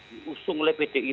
mengusung oleh pdi